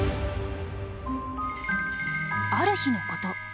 ある日のこと。